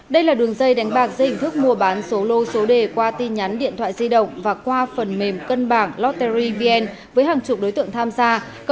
đây là đường dây đánh bạc dây hình thức mua bán số lô số đề qua tin nhắn điện thoại di động và qua phần mềm cân bảng lotteryvn với hàng chục đối tượng tham gia